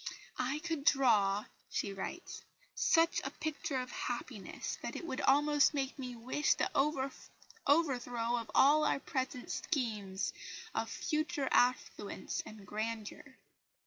"I could draw," she writes, "such a picture of happiness that it would almost make me wish the overthrow of all our present schemes of future affluence and grandeur."